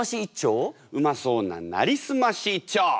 うまそうな「なりすまし」一丁！